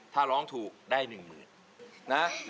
ถ้าร้องถูกได้๑๐๐๐นะ